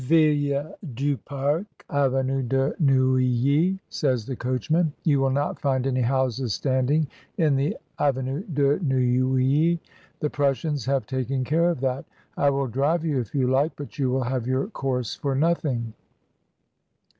"Villa du Pare, Avenue de Neuilly?" says the coachman; "you will not find any houses standing in the Avenue de Neuilly. The Prussians have taken care of that. I will drive you if you like; but you will have your course for nothing."